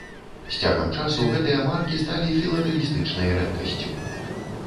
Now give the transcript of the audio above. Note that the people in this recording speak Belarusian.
З цягам часу гэтыя маркі сталі філатэлістычнай рэдкасцю.